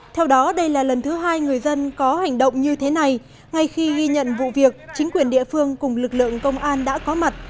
theo đó đây là lần thứ hai người dân có hành động như thế này ngay khi ghi nhận vụ việc chính quyền địa phương cùng lực lượng công an đã có mặt